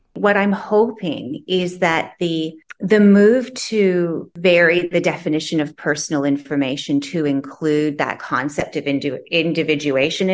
apa yang saya harapkan adalah pergerakan untuk memperbaiki definisi informasi pribadi untuk mengunjungi konsep individuasi